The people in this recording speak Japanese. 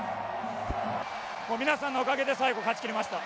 皆さんのおかげで最後、勝ちきれました。